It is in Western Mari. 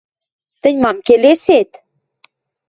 — Тӹнь мам келесет?